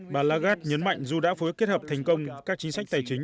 bà lagarde nhấn mạnh dù đã phối kết hợp thành công các chính sách tài chính